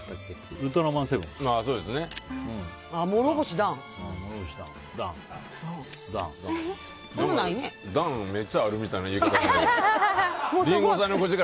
「ウルトラマンセブン」か。